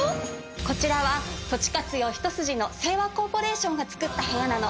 こちらは土地活用一筋の生和コーポレーションが造った部屋なの。